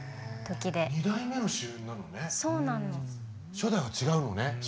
初代は違うのね。